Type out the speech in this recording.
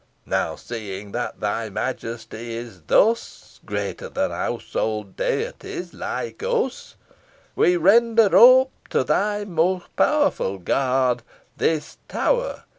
Now seeing that thy Majesty is thus Greater than household deities like us, We render up to thy more powerful guard, This Tower.